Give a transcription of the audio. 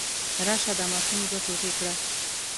راشه دا ماشوم دوه ټوټې کړه.